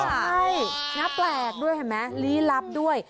ใช่น่าแปลกด้วยเห็นไหมลี้ลับด้วย